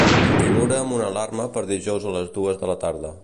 Configura'm una alarma per dijous a les dues de la tarda.